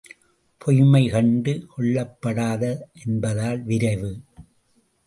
பொய்ம்மை கண்டு கொள்ளப்படாது என்பதால் விரைவு!